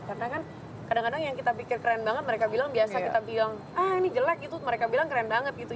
karena kan kadang kadang yang kita pikir keren banget mereka bilang biasa kita bilang ah ini jelek gitu mereka bilang keren banget gitu